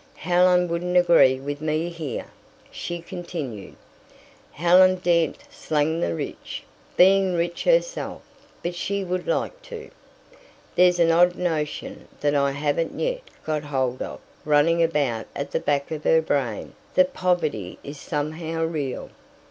"Helen wouldn't agree with me here," she continued. "Helen daren't slang the rich, being rich herself, but she would like to. There's an odd notion, that I haven't yet got hold of, running about at the back of her brain, that poverty is somehow 'real.'